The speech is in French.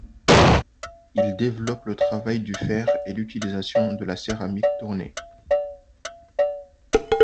Ils développent le travail du fer et l'utilisation de la céramique tournée.